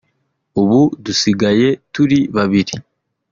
ubu dusigaye turi babiri